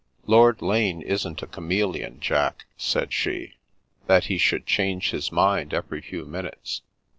Lord Lane isn't a chameleon, Jack," said she, that he should change his mind every few minutes.